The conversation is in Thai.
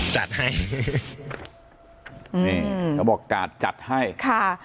จัดให้นี่เขาบอกกาดจัดให้ค่ะ